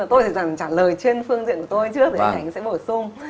tôi sẽ trả lời trên phương diện của tôi trước anh ảnh sẽ bổ sung